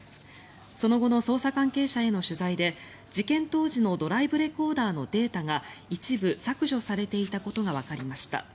その後の捜査関係者への取材で事件当時のドライブレコーダーのデータが一部削除されていたことがわかりました。